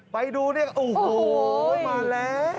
ในนี้โอ้โหมาแล้ว